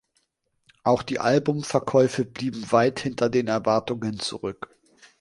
Auch die Albumverkäufe blieben weit hinter den Erwartungen zurück.